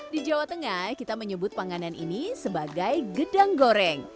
di jawa tengah kita menyebut panganan ini sebagai gedang goreng